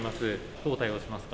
どう対応しますか。